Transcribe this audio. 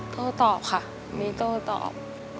โต้ตอบค่ะมีโต้ตอบ